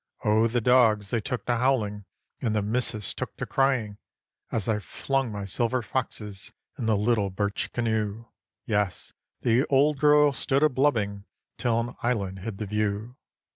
Oh the dogs they took to howling, and the missis took to crying, As I flung my silver foxes in the little birch canoe: Yes, the old girl stood a blubbing till an island hid the view.